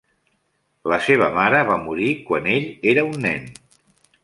La serva mare va morir quan ell era un nen.